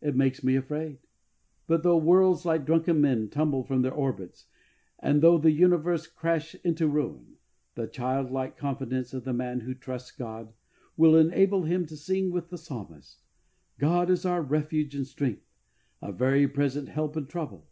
It makes me afraid." But though worlds like drunken men tumble from their orbits, and though the universe crash into ruin, the child like confidence of the man who trusts God will enable him to sing with the Psalmist, " God is our refuge and strength, a very present help in trouble.